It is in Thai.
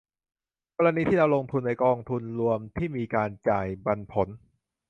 กรณีที่เราลงทุนในกองทุนรวมที่มีการจ่ายปันผล